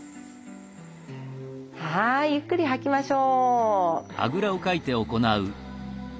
はいゆっくり吐きましょう。